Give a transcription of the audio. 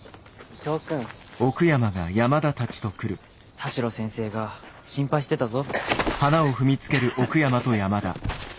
田代先生が心配してたぞ。